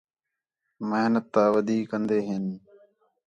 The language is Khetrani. محنت تا ودی کندے ہین